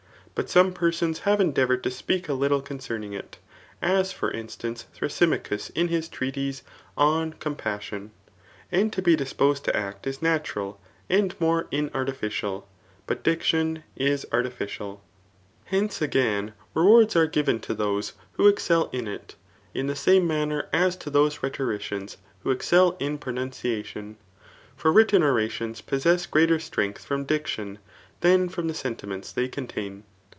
But soine persons have endea voured to speak a little concenii|ig it, as for instance, Th^asymachus in his treatise On Compassion. And to be di^pose4 to act is natural, and more inartificial ; but diction is artifidvL Hence, agun, rewards are given tp SM TH£ XRT OT BODK III. those trho excel in it, in the same mannor as to these ihetorictans who excel in pronunciation. For written orations possess greater strength from diction, than from the sentiments they contain.